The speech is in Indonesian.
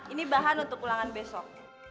ini bahan untuk ulangan besok